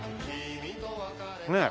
ねえ。